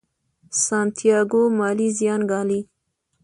سانتیاګو مالي زیان ګالي.